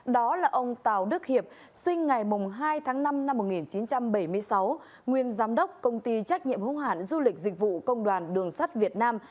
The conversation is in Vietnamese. đó là ông tào đức hiệp sinh ngày hai tháng năm năm một nghìn chín trăm bảy mươi sáu nguyên giám đốc công ty trách nhiệm hữu hạn du lịch dịch vụ công đoàn đường sắt việt nam